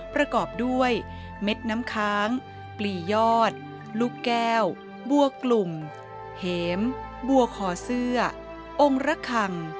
ประกอบด้วยเม็ดน้ำค้างปลียอดลูกแก้วบัวกลุ่มเหมบัวคอเสื้อองค์ระคัง